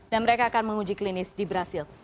dan mereka akan menguji klinis di brazil